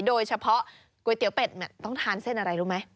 โดยเฉพาะก๋วยเตี๋ยวเป็ดต้องทานเส้นอะไรรู้ไหม